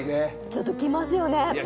ちょっときますよね